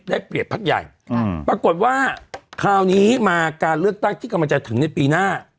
เปรียบพักใหญ่ปรากฏว่าคราวนี้มาการเลือกตั้งที่กำลังจะถึงในปีหน้า